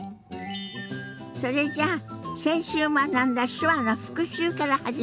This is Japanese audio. それじゃあ先週学んだ手話の復習から始めましょ。